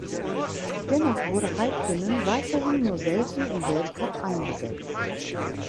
Dennoch wurde Heikkinen weiterhin nur selten im Weltcup eingesetzt.